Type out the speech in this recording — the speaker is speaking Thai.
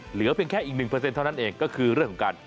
เหลือเพียงแค่อีก๑เท่านั้นเองก็คือเรื่องของการ